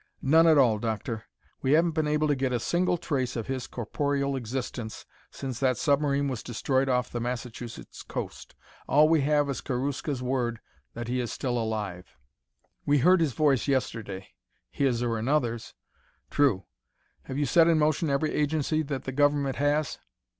"None at all, Doctor. We haven't been able to get a single trace of his corporeal existence since that submarine was destroyed off the Massachusetts coast. All we have is Karuska's word that he is still alive." "We heard his voice yesterday." "His or another's." "True. Have you set in motion every agency that the government has?"